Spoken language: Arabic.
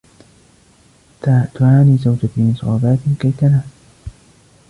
تعاني زوجتي من صعوبات كي تنام.